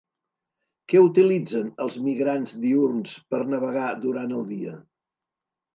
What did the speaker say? Què utilitzen els migrants diürns per navegar durant el dia?